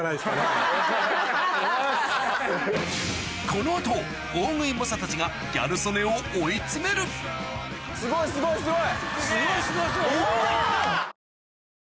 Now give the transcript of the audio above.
この後大食い猛者たちがギャル曽根を追い詰めるすごいすごいすごい！